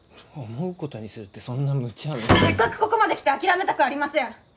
思うことにするってそんなむちゃなせっかくここまできて諦めたくありません